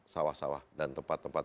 sawah sawah dan tempat tempat